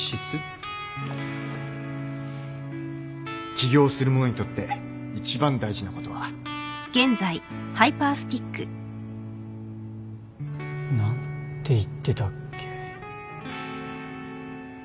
起業する者にとって一番大事なことは何て言ってたっけ？